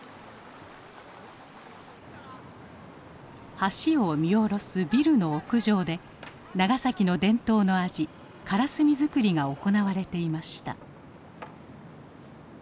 橋を見下ろすビルの屋上で長崎の伝統の味からすみ作りが行われていました。